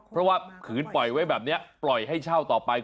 เพราะว่าขืนปล่อยไว้แบบนี้ปล่อยให้เช่าต่อไป